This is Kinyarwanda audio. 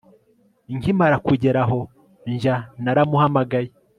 nkimara kugera aho njya, naramuhamagaye